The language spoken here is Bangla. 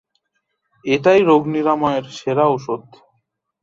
এটাই রোগ নিরাময়ের সেরা ঔষধ।